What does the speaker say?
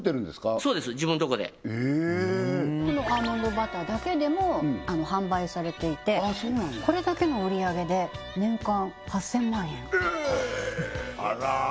そうです自分のとこでえこのアーモンドバターだけでも販売されていてこれだけの売上げで年間８０００万円えあら